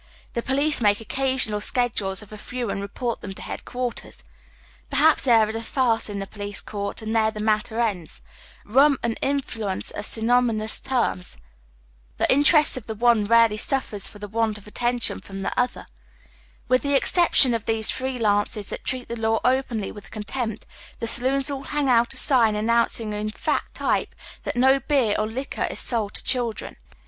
The police make occasional schedules of a few and report them to headquarters. Perhaps there is a farce in the police court, and there the matter ends, Hum and " in fluence "are synonymous terms. The interests of the one rarely suffer for the want of attention from the other. With the exception of these free iances that treat the law openly with contempt, the saloons all hang out a sign announcing in fat type that no beer or liquor is sold to children.